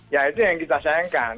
ya itu yang kita sayangkan